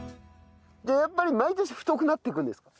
じゃあやっぱり毎年太くなっていくんですか？